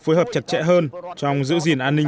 phối hợp chặt chẽ hơn trong giữ gìn an ninh